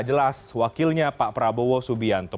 jelas wakilnya pak prabowo subianto